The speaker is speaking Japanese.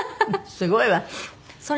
すごいわね。